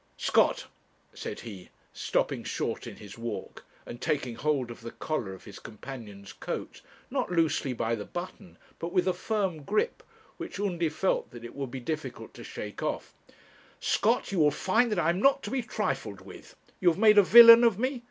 'Scott,' said he, stopping short in his walk and taking hold of the collar of his companion's coat, not loosely by the button, but with a firm grip which Undy felt that it would be difficult to shake off 'Scott, you will find that I am not to be trifled with. You have made a villain of me.